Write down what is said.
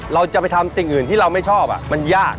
เราจะไปทำสิ่งอื่นที่เราไม่ชอบมันยาก